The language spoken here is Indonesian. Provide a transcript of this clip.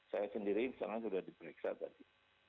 saya sendiri sekarang sudah diperiksa tadi